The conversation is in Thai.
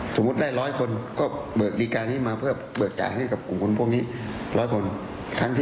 สมมุติได้๑๐๐คนก็เบิกดีการนี้มาเพื่อเบิกจ่ายให้กับกลุ่มคนพวกนี้๑๐๐คนครั้งที่๑